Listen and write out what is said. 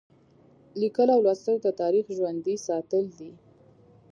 لیکل او لوستل د تاریخ ژوندي ساتل دي.